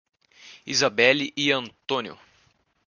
Isabelly e Antônio